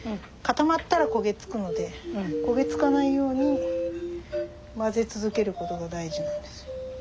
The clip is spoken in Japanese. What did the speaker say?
固まったら焦げ付くので焦げ付かないように混ぜ続けることが大事なのです。